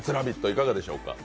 いかがでしょうか。